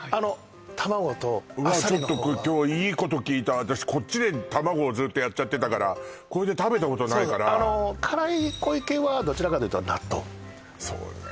卵とあっさりの方がちょっとこれ今日いいこと聞いた私こっちで卵ずっとやっちゃってたからこれで食べたことないからそうそう辛い濃い系はどちらかというと納豆そうね